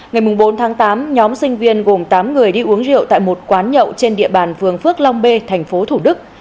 ngày bốn tháng tám nhóm sinh viên gồm tám người đi uống rượu tại một quán nhậu trên địa bàn phường phước long b tp thủ đức